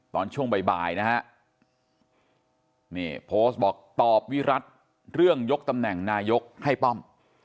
ตอนช่วงบ่ายนะฮะนี่โพสต์บอกตอบวิรัติเรื่องยกตำแหน่งนายกให้ป้อม